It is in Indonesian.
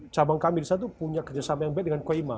cabang kami di sana itu punya kerjasama yang baik dengan koima